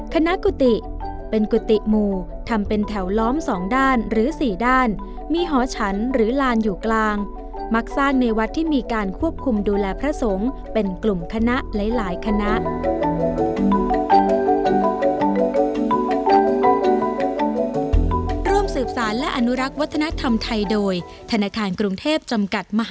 กุฏิเป็นกุฏิหมู่ทำเป็นแถวล้อมสองด้านหรือ๔ด้านมีหอฉันหรือลานอยู่กลางมักสร้างในวัดที่มีการควบคุมดูแลพระสงฆ์เป็นกลุ่มคณะหลายคณะ